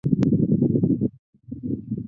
中华民国中将参军。